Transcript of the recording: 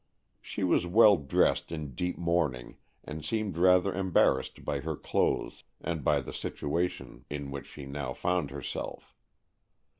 She was well dressed in deep mourning, and seemed rather embarrassed by her clothes and by the situation in which she now found herself.